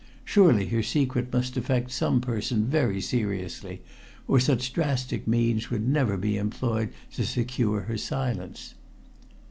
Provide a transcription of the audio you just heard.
Surely her secret must affect some person very seriously, or such drastic means would never be employed to secure her silence.